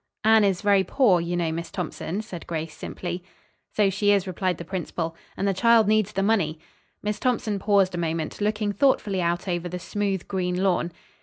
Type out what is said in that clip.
"Anne is very poor, you know, Miss Thompson," said Grace simply. "So she is," replied the principal, "and the child needs the money." Miss Thompson paused a moment, looking thoughtfully out over the smooth green lawn.